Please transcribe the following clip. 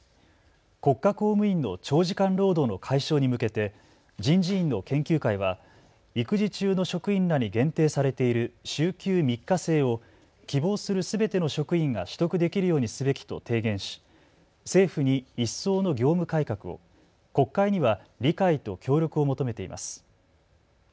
国家公務員の長時間労働の解消に向けて、人事院の研究会は育児中の職員らに限定されている週休３日制を希望するすべての職員が取得できるようにすべきと提言し政府に一層の業務改革を国会には理解と協力を求めています。